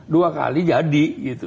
dua kali jadi